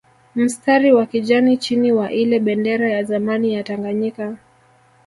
Mstari wa kijani chini wa ile bendera ya zamani ya Tanganyika